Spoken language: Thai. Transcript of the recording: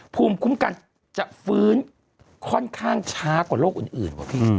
ภูมิคุ้มกันจะฟื้นค่อนข้างช้ากว่าโรคอื่นว่ะพี่